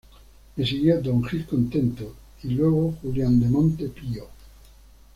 Le siguió Don Gil Contento, y luego Julián de Monte Pío.